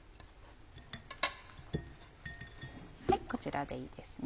こちらでいいですね。